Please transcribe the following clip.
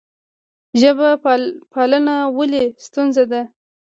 ژب پالنه ولې ستونزه ده؟